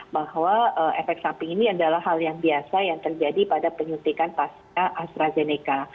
bahwa efek samping ini adalah hal yang biasa yang terjadi pada penyuntikan pasca astrazeneca